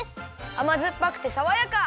あまずっぱくてさわやか！